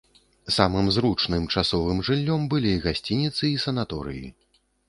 Самым зручным часовым жыллём былі гасцініцы і санаторыі.